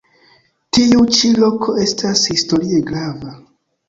Tiu ĉi loko estas historie grava.